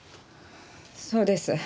そうです。